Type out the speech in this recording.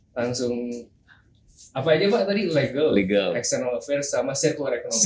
langsung apa aja pak tadi legal external affairs sama sirkular ekonomi